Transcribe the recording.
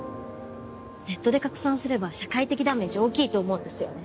ネットで拡散すれば社会的ダメージ大きいと思うんですよね。